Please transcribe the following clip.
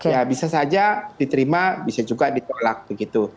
ya bisa saja diterima bisa juga ditolak begitu